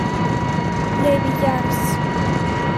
Le Villars